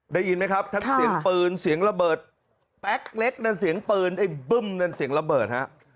ได้ยินไหมครับทั้งเสียงปืนเสียงระเบิดแป๊กเล็กนั่นเสียงปืนไอ้บึ้มนั่นเสียงระเบิดฮะ